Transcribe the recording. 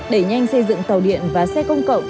đẩy nhanh xây dựng tàu điện và xe công cộng